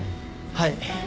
はい。